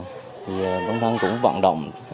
thì bản thân cũng vận động